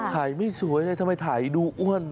ถ่ายไม่สวยเลยทำไมถ่ายดูอ้วน